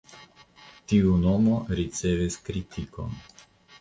Tiu nomo ricevis kritikon.